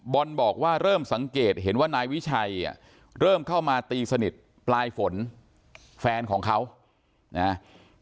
บอกว่าเริ่มสังเกตเห็นว่านายวิชัยเริ่มเข้ามาตีสนิทปลายฝนแฟนของเขานะ